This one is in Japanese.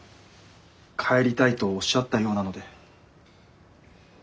帰りたいとおっしゃったようなので。